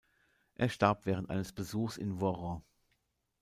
Er starb während eines Besuchs in Voiron.